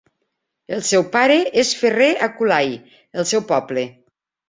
El seu pare és ferrer a Kulai, el seu poble.